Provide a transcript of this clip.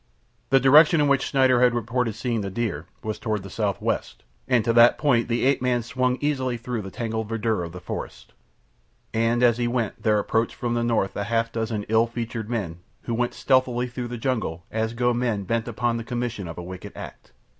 The direction in which Schneider had reported seeing the deer was toward the south west, and to that point the ape man swung easily through the tangled verdure of the forest. And as he went there approached from the north a half dozen ill featured men who went stealthily through the jungle as go men bent upon the commission of a wicked act.